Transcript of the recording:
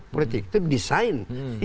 politik itu desain